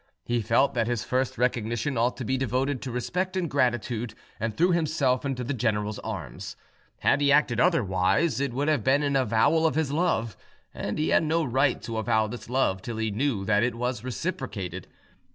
He felt that his first recognition ought to be devoted to respect and gratitude, and threw himself into the general's arms. Had he acted otherwise, it would have been an avowal of his love, and he had no right to avow this love till he knew that it was reciprocated.